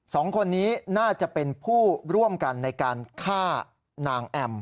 สองคนนี้น่าจะเป็นผู้ร่วมกันในการฆ่านางแอม